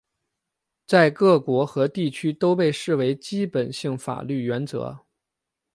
在各国和地区都被视为基本性法律原则。